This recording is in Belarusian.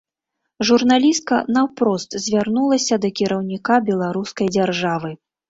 Журналістка наўпрост звярнулася да кіраўніка беларускай дзяржавы.